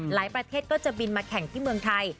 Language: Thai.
ประเทศก็จะบินมาแข่งที่เมืองไทย